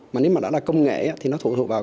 mà nếu mà nó là công nghệ thì nó thuộc vào